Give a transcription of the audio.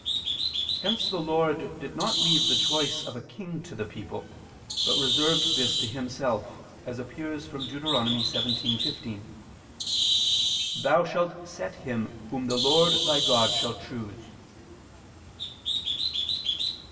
Hence the Lord did not leave the choice of a king to the people; but reserved this to Himself, as appears from Deut. 17:15: "Thou shalt set him whom the Lord thy God shall choose."